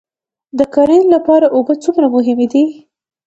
د کرنې لپاره اوبه څومره مهمې دي؟